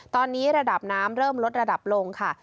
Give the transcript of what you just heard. ตอนนี้ระดับน้ำเริ่มลดระดับลงค่ะ